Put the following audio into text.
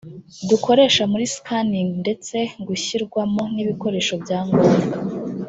dukoresha muri scanning ndetse gishyirwamo n ibikoresho byangombwa